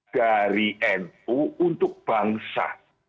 dari nu untuk bangsa